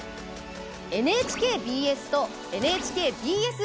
ＮＨＫＢＳとＮＨＫＢＳ